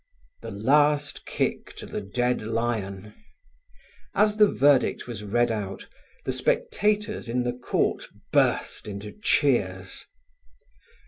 The last kick to the dead lion. As the verdict was read out the spectators in the court burst into cheers.